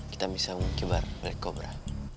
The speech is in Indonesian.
kita bisa mengkibar black cobra